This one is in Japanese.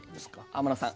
天野さん